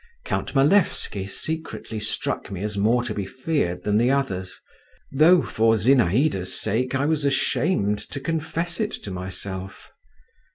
Count Malevsky secretly struck me as more to be feared than the others, though, for Zinaïda's sake, I was ashamed to confess it to myself.